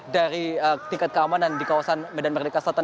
dari tingkat keamanan di kawasan medan merdeka selatan